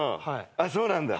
あっそうなんだ。